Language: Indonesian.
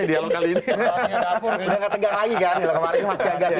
di dialog kali ini